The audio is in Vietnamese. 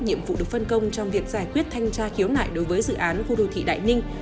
nhiệm vụ được phân công trong việc giải quyết thanh tra khiếu nại đối với dự án khu đô thị đại ninh